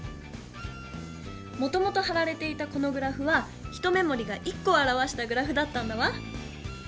もともとはられていたこのグラフは一目もりが１こをあらわしたグラフだったんだわ。